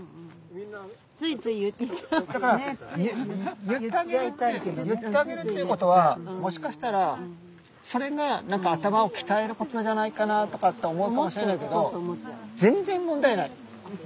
だから言ってあげるっていうことはもしかしたらそれが何か頭を鍛えることじゃないかなとかって思うかもしれないけど全然問題ない。